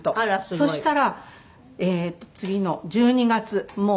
そしたら次の１２月。